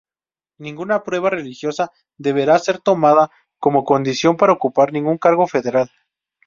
Ninguna prueba religiosa deberá ser tomada como condición para ocupar ningún cargo federal.